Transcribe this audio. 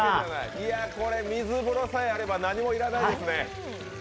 これ、水風呂さえあれば何も要らないですね？